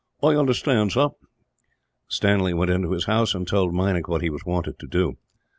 "I understand, sir." Stanley went into his house and told Meinik what he was wanted to do.